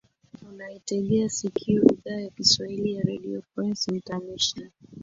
unaitegea sikio idhaa ya kiswahili ya redio france international